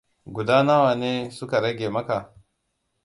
Guda nawa ne suka rage maka?